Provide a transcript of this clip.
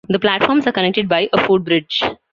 The platforms are connected by a footbridge.